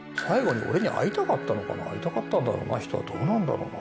会いたかったんだろうなどうなんだろうな？